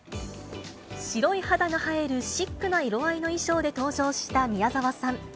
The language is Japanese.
白い肌が映えるシックな色合いの衣装で登場した宮沢さん。